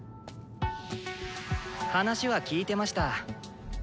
話は聞いてました。